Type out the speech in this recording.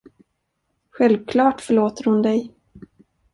Självklart förlåter hon dig.